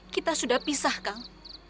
kita sudah pisah kang